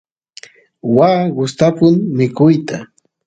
waa gustapun mikuyta